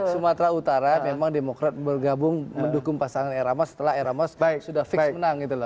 sumatra utara memang demokrat bergabung mendukung pasangan edi ramaya setelah edi ramaya sudah fix menang